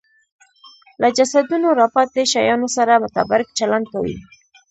له جسدونو راپاتې شیانو سره متبرک چلند کوي